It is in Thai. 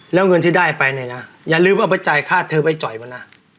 แล้วเงินที่ได้ไปเนี่ยนะอย่าลืมว่าไปจ่ายค่าเธอไปจ่อยมันนะ